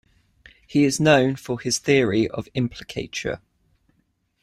He is known for his theory of implicature.